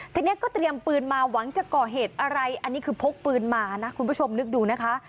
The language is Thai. ทีนี้ก็เตรียมปืนมาหวังจะก่อเหตุอะไรอันนี้คือพกปืนมานะคุณผู้ชมนึกดูนะคะ